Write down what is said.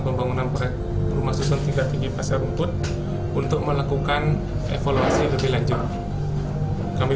pembangunan proyek rumah susun tingkat tinggi pasar rumput untuk melakukan evaluasi lebih lanjut kami